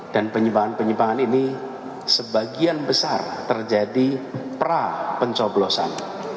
dan penyimpangan penyimpangan ini sebagian besar terjadi pra pencoblosan